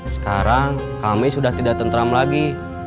sekarang kami sudah tidak tentram lagi